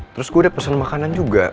terus gue udah pesan makanan juga